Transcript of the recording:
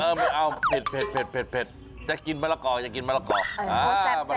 เออเอ้าไฟท์จะกินมะละกอกินไม่ใช้อาหาร